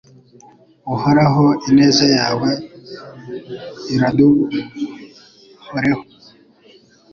Uhoraho ineza yawe iraduhoreho